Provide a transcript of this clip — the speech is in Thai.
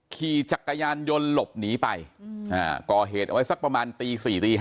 ขี่จักรยานยนต์หลบหนีไปก่อเหตุเอาไว้สักประมาณตี๔ตี๕